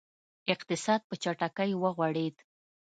اقتصاد په چټکۍ وغوړېد.